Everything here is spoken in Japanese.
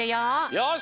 よし！